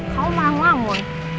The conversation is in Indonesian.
kamu mau ngamun